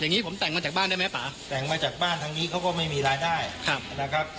อย่างนี้ผมแต่งมาจากบ้านได้ไหมป่าแต่งมาจากบ้านทางนี้เขาก็ไม่มีรายได้นะครับ